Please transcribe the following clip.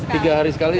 tiga hari sekali